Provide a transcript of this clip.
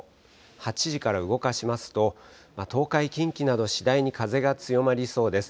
８時から動かしますと、東海、近畿など次第に風が強まりそうです。